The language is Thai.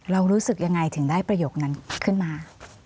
รู้สึกยังไงถึงได้ประโยคนั้นขึ้นมา